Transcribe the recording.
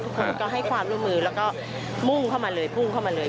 ทุกคนก็ให้ความร่วมมือแล้วก็มุ่งเข้ามาเลย